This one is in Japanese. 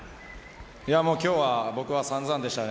今日は僕はさんざんでしたね。